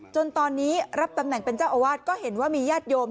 จนตอนนี้รับตำแหน่งเป็นเจ้าอาวาสก็เห็นว่ามีญาติโยม